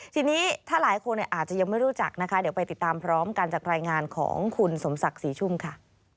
ทีนี้ถ้าหลายคนอาจจะยังไม่รู้จักนะคะเดี๋ยวไปติดตามพร้อมกันจากรายงานของคุณสมศักดิ์ศรีชุ่มค่ะ